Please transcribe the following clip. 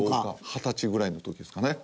二十歳ぐらいの時ですかね。